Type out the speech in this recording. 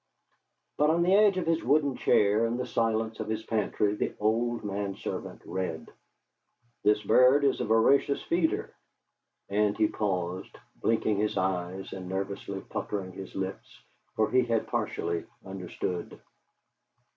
But on the edge of his wooden chair in the silence of his pantry the old manservant read, "This bird is a voracious feeder," and he paused, blinking his eyes and nervously puckering his lips, for he had partially understood....